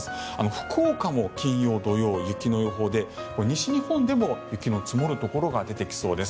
福岡も金曜、土曜雪の予報で西日本でも雪の積もるところが出てきそうです。